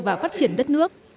và phát triển đất nước